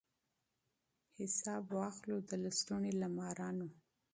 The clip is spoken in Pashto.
حساب واخلو د لستوڼي له مارانو